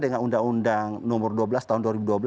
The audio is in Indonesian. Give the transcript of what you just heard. dengan undang undang nomor dua belas tahun dua ribu dua belas